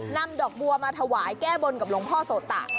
นำดอกบัวมาถวายแก้บนกับหลวงพ่อโสตะ